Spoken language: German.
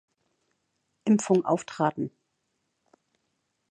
Impfung auftraten.